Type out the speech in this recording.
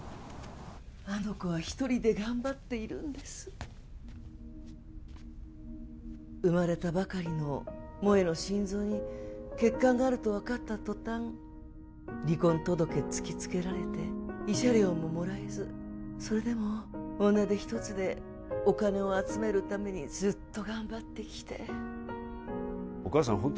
あの子は１人で頑張っているんです生まれたばかりの萌の心臓に欠陥があると分かったとたん離婚届突きつけられて慰謝料ももらえずそれでも女手ひとつでお金を集めるためにずっと頑張ってきてお母さん